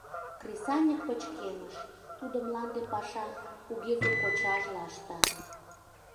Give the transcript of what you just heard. Кресаньык пычкемыш, тудо мланде пашам кугезе кочажла ышта.